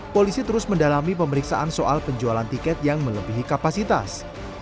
polisi terus mendalami pemeriksaan soal penjualan tiket yang melebihi kapasitas